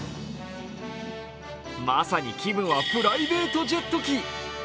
まさに気分はプライベートジェット機。